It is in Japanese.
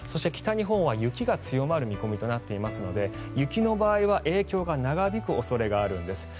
北日本は雪が強まる見込みとなっているので雪の場合は影響が長引く恐れがあるんです。